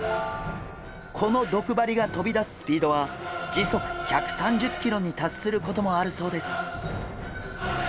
この毒針が飛び出すスピードは時速１３０キロに達することもあるそうです。